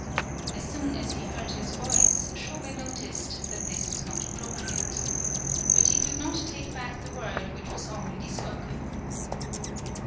As soon as he heard his voice, Shobei noticed that this was not appropriate. But he could not take back the word which was already spoken.